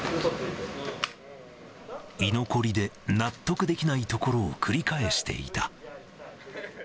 居残りで納得できないところを繰り返していた。